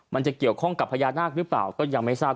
มันจะเกี่ยวข้องกับพญานาคหรือเปล่าก็ยังไม่ทราบ